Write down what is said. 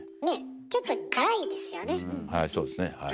はいそうですねはい。